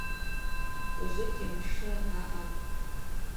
Ужвыгьи мшы аъапӏ.